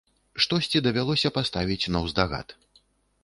Штосьці давялося паставіць наўздагад.